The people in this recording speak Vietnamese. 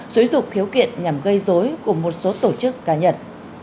xử dụng khiếu kiện nhằm gây dối của một số tổ chức cá nhân